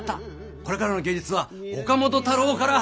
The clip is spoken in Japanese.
これからの芸術は岡本太郎から始まる！